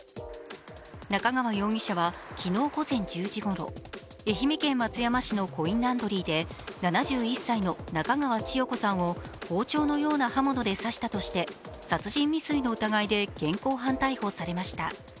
中川容疑者は昨日午前１０時ごろ愛媛県松山市のコインランドリーで７１歳の中川千代子さんを包丁のような刃物で刺したとして殺人未遂の疑いで現行犯逮捕されました。